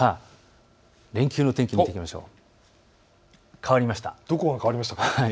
連休の天気を見ていきましょう。